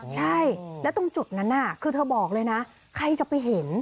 ใช่แล้วตรงจุดนั้นคือเธอบอกเลยนะใครจะไปเห็น